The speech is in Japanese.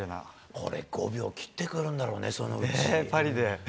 これ、５秒切ってくるんだろうね、そのうち。